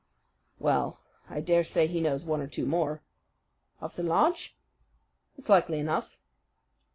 "Well, I dare say he knows one or two more." "Of the lodge?" "It's likely enough."